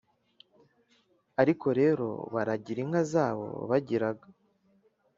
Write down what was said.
ariko rero baragira inka zabo bagiraga,